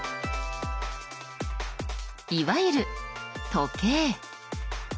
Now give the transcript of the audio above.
いわゆる時計。